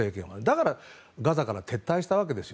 だからガザから撤退したわけです。